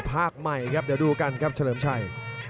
ภาคใหม่ครับเดี๋ยวดูกันครับเฉลิมชัย